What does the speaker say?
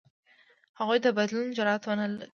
هغوی د بدلون جرئت ونه کړ.